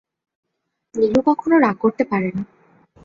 নীলু কখনো রাগ করতে পারে না।